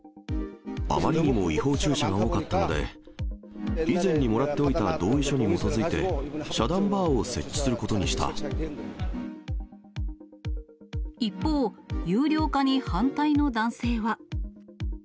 あまりにも違法駐車が多かったので、以前にもらっておいた同意書に基づいて、一方、有料化に反対の男性は。